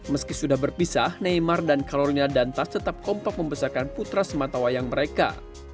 meski sudah berpisah neymar dan carolina dantas tetap kompak membesarkan putra sematawayang mereka